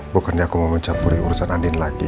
bukannya aku mau mencampuri urusan andin lagi